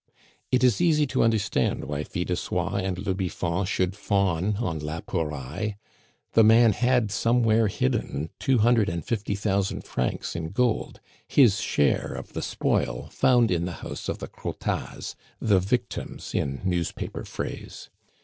It is easy to understand why Fil de Soie and le Biffon should fawn on la Pouraille. The man had somewhere hidden two hundred and fifty thousand francs in gold, his share of the spoil found in the house of the Crottats, the "victims," in newspaper phrase.